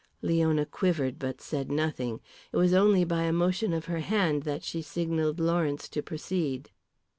Leona quivered but said nothing. It was only by a motion of her hand that she signalled Lawrence to proceed.